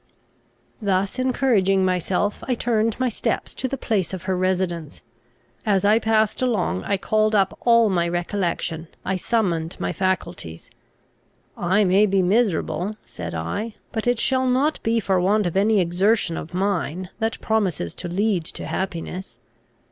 Thus encouraging myself, I turned my steps to the place of her residence. As I passed along I called up all my recollection, I summoned my faculties. "I may be made miserable," said I, "but it shall not be for want of any exertion of mine, that promises to lead to happiness.